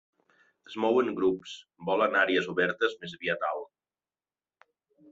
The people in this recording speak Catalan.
Es mou en grups, vola en àrees obertes, més aviat alt.